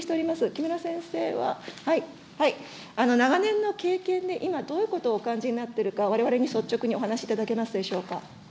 木村先生は、長年の経験で、今、どういうことをお感じになっているか、われわれに率直にお話しいただけますでしょうか。